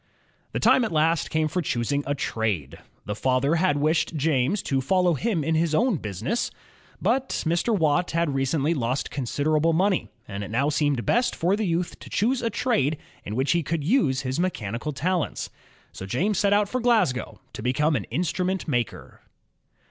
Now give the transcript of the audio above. The time at last came for choosing a trade. The father had wished James to follow him in his own business. But *•« JAMES WATT lO INVENTIONS OF STEAM AND ELECTRIC POWER Mr. Watt had recently lost considerable money, and it now seemed best for the youth to choose a trade in which he could use his mechanical talents. So James set out for Glasgow to become an instrument maker.